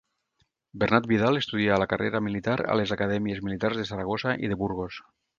Bernat Vidal estudià la carrera militar a les acadèmies militars de Saragossa i de Burgos.